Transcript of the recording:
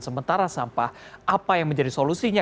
sementara sampah apa yang menjadi solusinya